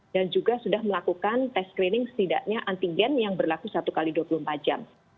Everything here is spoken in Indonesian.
dan juga sudah melakukan tes screening setidaknya antigen yang berlaku satu x dua puluh empat jam